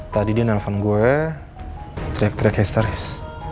tadi dia nelfon gue teriak teriak histeris